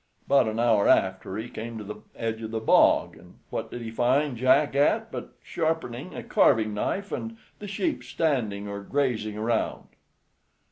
About an hour after he came to the edge of the bog, and what did he find Jack at but sharpening a carving knife, and the sheep standing or grazing around.